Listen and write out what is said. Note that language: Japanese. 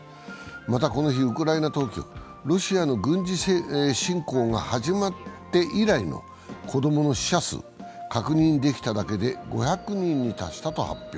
また、この日、ウクライナ当局、ロシアの軍事侵攻が始まって以来の子供の死者数、確認できただけで５００人に達したと発表。